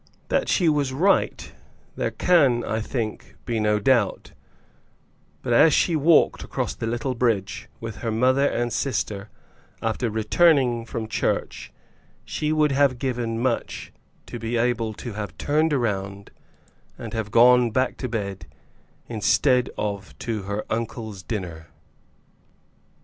That she was right there can, I think, be no doubt; but as she walked across the little bridge, with her mother and sister, after returning from church, she would have given much to be able to have turned round, and have gone to bed instead of to her uncle's dinner.